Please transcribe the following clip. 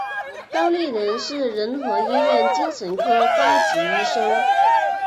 高立仁是仁和医院精神科高级医生。